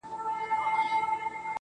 ويني ته مه څښه اوبه وڅښه~